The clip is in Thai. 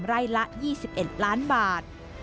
ไร่ละ๒๑ล้านบาท